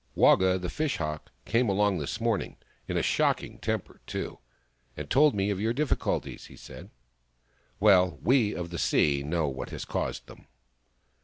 " Waga, the Fish Hawk, came along this morn ing — in a shocking temper, too — and told me of your difficulties," he said. " Well, we of the sea know what has caused them